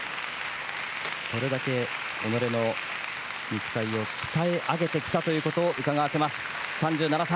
それだけ己の肉体を鍛え上げてきたということをうかがわせます、３７歳。